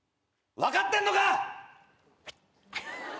分かってんのか？